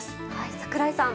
櫻井さん。